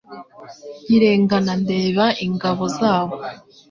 Nkirengana ndeba ingabo zabo